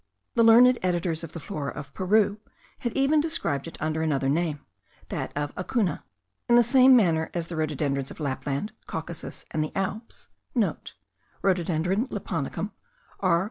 The learned editors of the Flora of Peru had even described it under another name, that of acunna. In the same manner as the rhododendrons of Lapland, Caucasus, and the Alps* (* Rhododendron lapponicum, R.